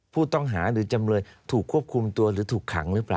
ผู้ต้องหาหรือจำเลยถูกควบคุมตัวหรือถูกขังหรือเปล่า